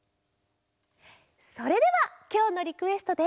それではきょうのリクエストで。